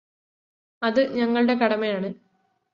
അത് ഞങ്ങളുടെ കടമയാണ്